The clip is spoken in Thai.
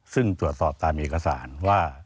ซึ่งตรวจสอบตามเอกสารว่า